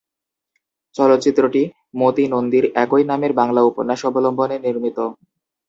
চলচ্চিত্রটি মতি নন্দীর একই নামের বাংলা উপন্যাস অবলম্বনে নির্মিত।